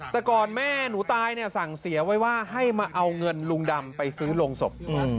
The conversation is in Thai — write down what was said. แต่ก่อนแม่หนูตายเนี่ยสั่งเสียไว้ว่าให้มาเอาเงินลุงดำไปซื้อโรงศพ